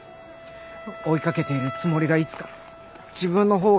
追いかけているつもりがいつか自分の方が追いかけられて。